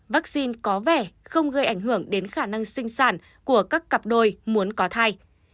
vaccine có vẻ không gây ảnh hưởng đến khả năng sinh sản của các cặp đôi muốn có thai